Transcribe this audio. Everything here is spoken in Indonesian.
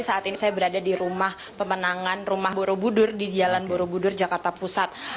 saat ini saya berada di rumah pemenangan rumah borobudur di jalan borobudur jakarta pusat